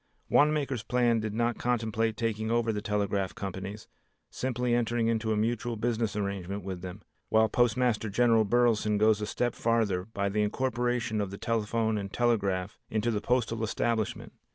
Wanamaker's plan did not contemplate taking over the telegraph companies, simply entering into a mutual business arrangement with them, while Postmaster General Burleson goes a step farther by the incorporation of the telephone and telegraph into the postal establishment.